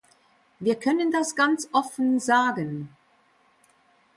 Wir können das ganz offen sagen.